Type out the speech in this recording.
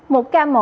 một ca mổ tiêm hỏi